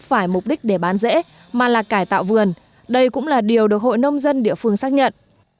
phải mục đích để bán rễ mà là cải tạo vườn đây cũng là điều được hội nông dân địa phương xác nhận